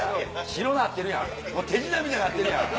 白なってるやんもう手品みたいになってるやん。